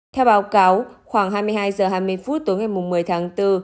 theo báo cáo khoảng hai mươi hai h hai mươi phút tối ngày một mươi tháng bốn